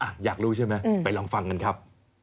อยากรู้ใช่ไหมไปลองฟังกันครับ